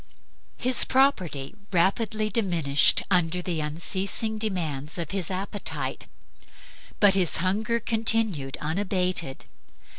His property rapidly diminished under the unceasing demands of his appetite, but his hunger continued unabated.